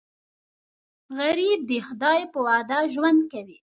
غریب د خدای په وعده ژوند کوي